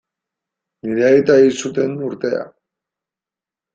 Nire aita hil zuten urtea.